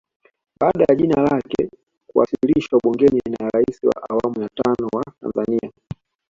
Baada ya jina lake kuwasilishwa bungeni na Rais wa awamu ya tano wa Tanzania